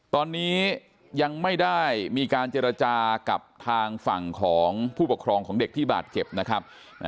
ตอนนี้ยังไม่ได้มีการเจรจากับทางฝั่งของผู้ปกครองของเด็กที่บาดเจ็บนะครับ